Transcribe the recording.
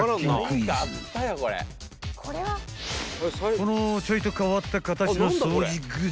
［このちょいと変わった形の掃除グッズ］